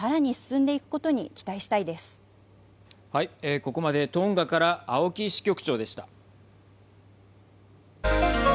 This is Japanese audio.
ここまでトンガから青木支局長でした。